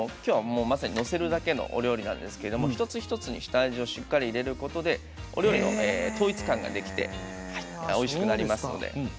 まさに載せるだけのお料理ですけれども一つ一つに下味をしっかり入れることでお料理の統一感ができておいしくなります。